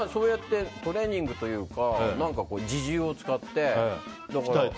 トレーニングというか自重を使って。